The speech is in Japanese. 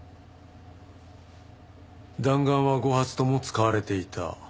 弾丸は５発とも使われていた。